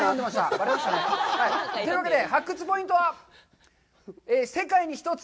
ばれましたね。ということで発掘ポイントは、「世界に１つ！